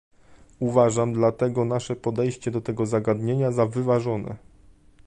Uważam dlatego nasze podejście do tego zagadnienia za wyważone